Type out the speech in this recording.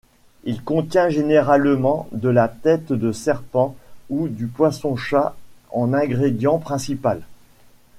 Il contient généralement de la tête-de-serpent ou du poisson-chat en ingrédient principal.